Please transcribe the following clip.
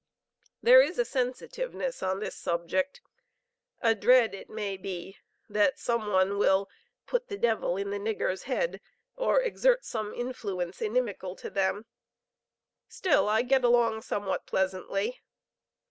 There is a sensitiveness on this subject, a dread, it may be, that some one will 'put the devil in the nigger's head,' or exert some influence inimical to them; still, I get along somewhat pleasantly.